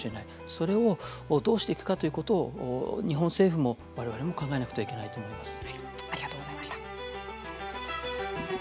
それをどうしていくかということを日本政府も、われわれも考えなくてはいけないと思います。